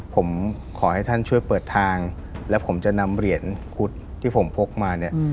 ผมขอให้ท่านช่วยเปิดทางแล้วผมจะนำเหรียญคุดที่ผมพกมาเนี่ย